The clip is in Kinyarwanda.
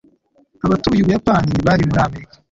Abatuye Ubuyapani ntibari muri Amerika.